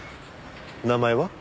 名前は？